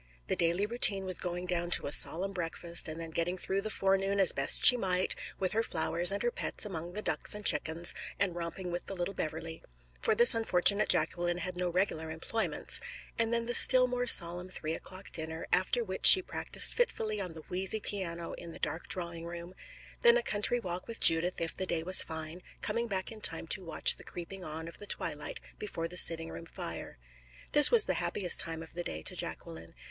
The daily routine was going down to a solemn breakfast, and then getting through the forenoon as best she might, with her flowers, and her pets among the ducks and chickens, and romping with the little Beverley for this unfortunate Jacqueline had no regular employments and then the still more solemn three o'clock dinner, after which she practiced fitfully on the wheezy piano in the dark drawing room; then a country walk with Judith, if the day was fine, coming back in time to watch the creeping on of the twilight before the sitting room fire. This was the happiest time of the day to Jacqueline.